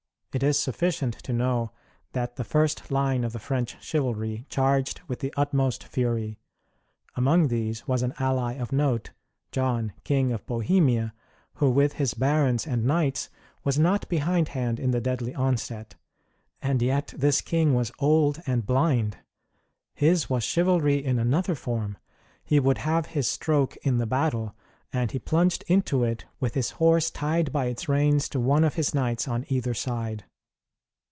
It is sufficient to know that the first line of the French chivalry charged with the utmost fury. Among these was an ally of note, John, King of Bohemia, who with his barons and knights was not behindhand in the deadly onset; and yet this king was old and blind! His was chivalry in another form! He would have his stroke in the battle, and he plunged into it with his horse tied by its reins to one of his knights on either side.